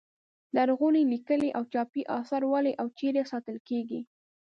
لرغوني لیکلي او چاپي اثار ولې او چیرې ساتل کیږي.